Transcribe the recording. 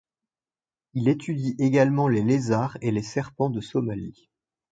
Il étudie également les lézards et les serpents de Somalie.